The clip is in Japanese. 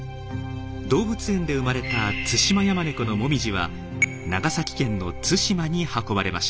動物園で生まれたツシマヤマネコのもみじは長崎県の対馬に運ばれました。